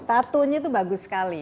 tattoo nya itu bagus sekali